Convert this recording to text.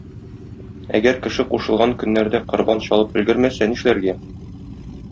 Әгәр кеше кушылган көннәрдә корбан чалып өлгермәсә нишләргә?